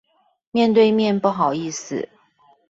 面對面不好意思